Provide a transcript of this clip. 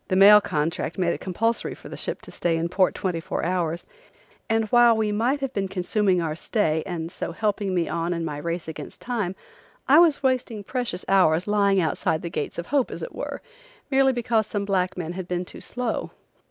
The mail contract made it compulsory for the ship to stay in port twenty four hours, and while we might have been consuming our stay and so helping me on in my race against time I was wasting precious hours lying outside the gates of hope, as it were, merely because some black men had been too slow.